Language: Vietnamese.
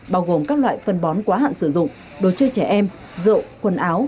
bao gồm các loại phân bón quá hạn sử dụng đồ chơi trẻ em rượu quần áo